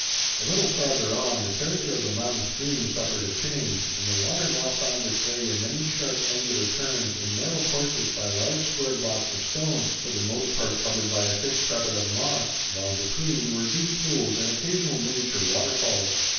A little farther on, the character of the mountain stream suffered a change, and the water now found its way in many sharp, angular turns and narrow courses by large square blocks of stone, for the most part covered by a thick carpet of moss, while between were deep pools and occasional miniature waterfalls.